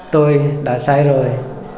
tôi đã sai rồi